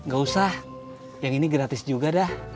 gak usah yang ini gratis juga dah